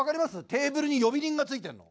テーブルに呼び鈴がついてるの。